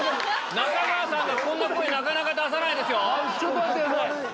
中川さんこんな声なかなか出さないですよ。